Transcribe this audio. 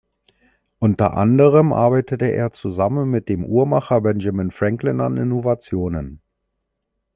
Unter Anderem arbeitete er zusammen mit dem Uhrmacher Benjamin Franklin an Innovationen.